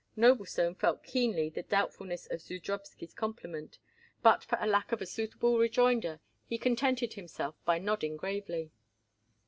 Noblestone felt keenly the doubtfulness of Zudrowsky's compliment, but for a lack of a suitable rejoinder he contented himself by nodding gravely.